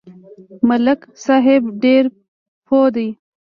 ملک صاحب ډېر پوه دی.